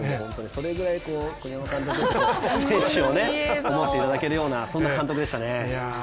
それくらい栗山監督、選手を思っていただけるような、そんな監督でしたね。